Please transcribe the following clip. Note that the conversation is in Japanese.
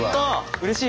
うれしい！